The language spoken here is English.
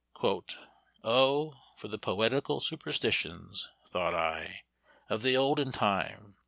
"O for the poetical superstitions," thought I, "of the olden time!